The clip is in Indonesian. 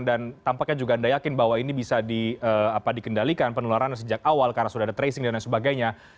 dan tampaknya juga anda yakin bahwa ini bisa dikendalikan penularan sejak awal karena sudah ada tracing dan lain sebagainya